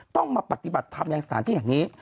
ต้องมาปฏิบัติทำอย่างสถานที่อย่างนี้